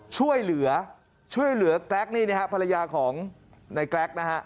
ช่วยเหลือช่วยเหลือแกรกนี่นะฮะภรรยาของในแกรกนะฮะ